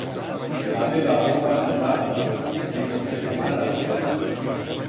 N'habeba un panizar que se perdeba la vista.